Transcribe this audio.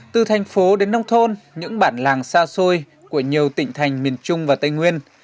từ thành phố đến nông thôn những bản làng xa xôi của nhiều tỉnh thành miền trung và tây nguyên